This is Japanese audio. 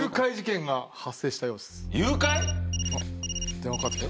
電話かかってきた。